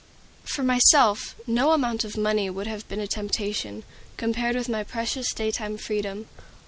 For myself, no amount of money would have been a temptation, compared with my precious daytime freedom.